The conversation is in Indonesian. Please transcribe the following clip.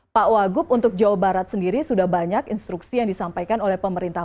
pak wagup untuk jawa barat sendiri sudah banyak instruksi yang disampaikan oleh pemerintah